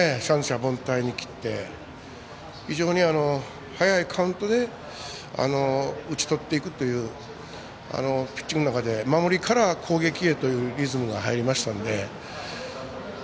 三者凡退に切って非常に早いカウントで打ち取っていくというピッチングの中で守りから攻撃へというリズムが入りましたので。